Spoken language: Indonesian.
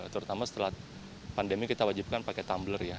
terutama setelah pandemi kita wajibkan pakai tumbler ya